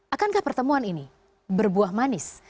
akankah pertemuan ini berbuah manis